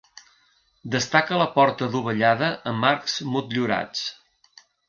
Destaca la porta adovellada amb arcs motllurats.